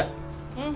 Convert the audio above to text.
うん。